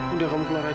udah kamu keluar aja